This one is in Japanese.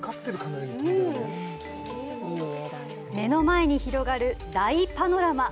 目の前に広がる大パノラマ。